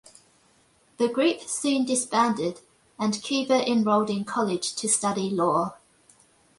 The group soon disbanded and Cuba enrolled in college to study law.